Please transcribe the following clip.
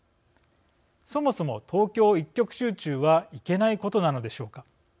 そもそも、東京一極集中はいけないことなのでしょうか。